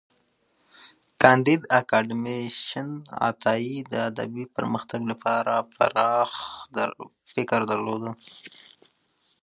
کانديد اکاډميسن عطايي د ادبي پرمختګ لپاره پراخ فکر درلود.